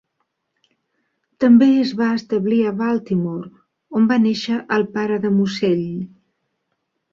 També es va establir a Baltimore, on va néixer el pare de Mossell.